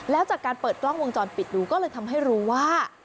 แล้วจากการเปิดกล้องวงจรปิดดูก็เลยทำให้รู้ว่า